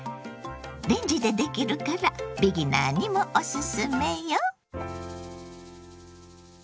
レンジでできるからビギナーにもオススメよ。